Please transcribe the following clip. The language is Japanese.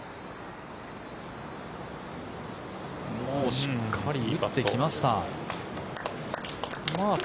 しっかり打ってきました。